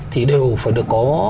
thì đều phải được có